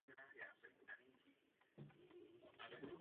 Důvodem bylo údajné schvalování atentátu na Heydricha.